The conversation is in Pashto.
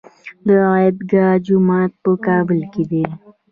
د عیدګاه جومات په کابل کې دی